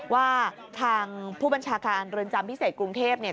ว่าทางผู้บัญชาการเรือนจำพิเศษกรุงเทพเนี่ย